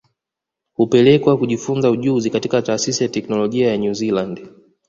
Hupelekwa kujifunza ujuzi katika Taasisi ya Teknolojia ya New Zealand